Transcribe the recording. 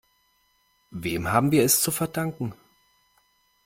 Wem haben wir es zu verdanken?